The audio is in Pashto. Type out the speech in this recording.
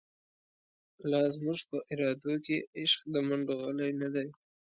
لازموږ په ارادوکی، عشق دمنډوغلی نه دی